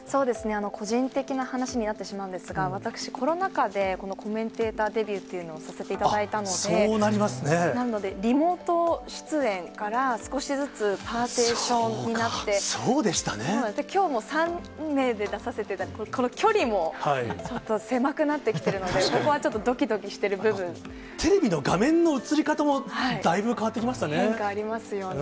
個人的な話になってしまうんですが、私、コロナ禍でこのコメンテーターデビューというのをさせていただいたので、なので、リモート出演から少しずつパーティションになって、きょうも３名で出させていただくこの距離も、ちょっと狭くなってきているので、ここはちょっとどきどきしてる部テレビの画面の映り方も、変化ありますよね。